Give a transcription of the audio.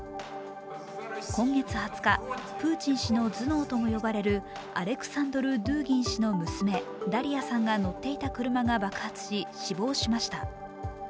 今月２０日、プーチン氏の頭脳とも呼ばれるアレクサンドル・ドゥーギン氏の娘ダリヤさんが乗っていた車が爆発し、死亡しました。